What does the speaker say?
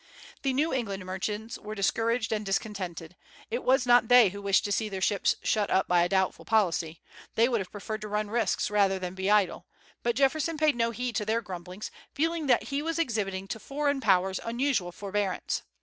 The New England merchants were discouraged and discontented. It was not they who wished to see their ships shut up by a doubtful policy. They would have preferred to run risks rather than be idle. But Jefferson paid no heed to their grumblings, feeling that he was exhibiting to foreign powers unusual forbearance.